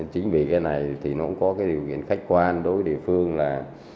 chính vì cái này thì nó cũng có cái điều kiện khách quan đối với địa phương là